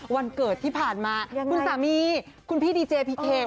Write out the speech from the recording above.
วันเกิดที่ผ่านมาคุณสามีคุณพี่ดีเจพีเค